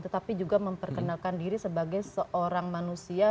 tetapi juga memperkenalkan diri sebagai seorang manusia